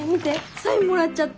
サインもらっちゃった。